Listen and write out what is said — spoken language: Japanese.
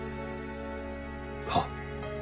はっ。